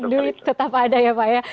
duit tetap ada ya pak ya